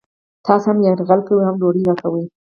تاسې هم یرغل کوئ او هم ډوډۍ راکوئ